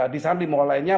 di sana dimulainya